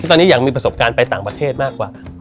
ตอนนี้อยากมีประสบการณ์ไปต่างประเทศมากกว่า